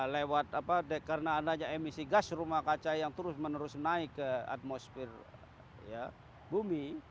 lewat emisi gas rumah kaca yang terus menerus naik ke atmosfer bumi